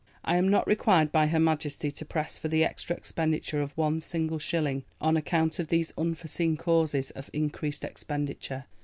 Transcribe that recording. I am not required by Her Majesty to press for the extra expenditure of one single shilling on account of these unforeseen causes of increased expenditure.